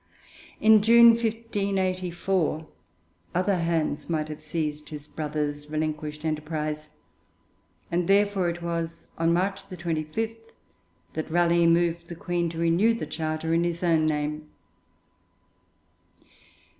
In June 1584 other hands might have seized his brother's relinquished enterprise, and therefore it was, on March 25, that Raleigh moved the Queen to renew the charter in his own name.